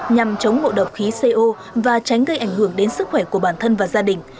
nhằm chống mộ độc khí co và tránh gây ảnh hưởng đến sức khỏe của bản thân và gia đình